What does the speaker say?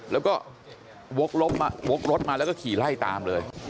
แล้วก็วกรถมาแล้วก็ขี่ไล่ตามเลย